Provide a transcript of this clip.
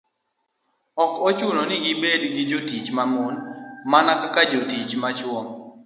ok ochuno ni gibed gi jotich ma mon, mana kaka jotich ma chwo.